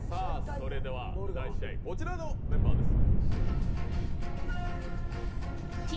それでは第１試合こちらのメンバーです。